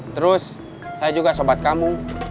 terus saya juga sobat kamu